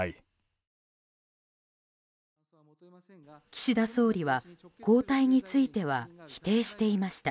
岸田総理は交代については否定していました。